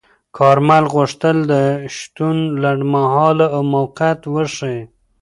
کارمل غوښتل د شتون لنډمهاله او موقت وښيي.